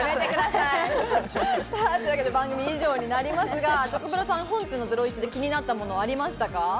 番組、以上になりますが、チョコプラさん、本日の『ゼロイチ』で気になったもの、ありましたか？